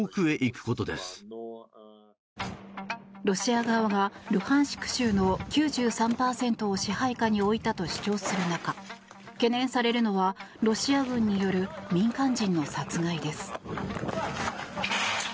ロシア側がルハンシク州の９３％を支配下に置いたと主張する中懸念されるのはロシア軍による民間人の殺害です。